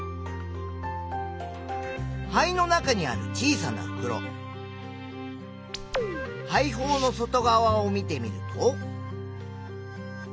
肺の中にある小さなふくろ肺胞の外側を見てみると。